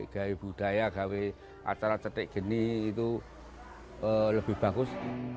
gaya budaya gaya acara cetek gini itu lebih bagus